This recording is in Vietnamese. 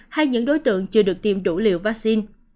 hay những đối tượng chưa được tiêm đủ liều vaccine